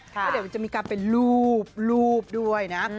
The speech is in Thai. เดี๋ยวจะมีการเป็นลูบด้วยนะ